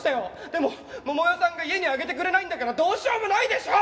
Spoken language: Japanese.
でも桃代さんが家に上げてくれないんだからどうしようもないでしょ！？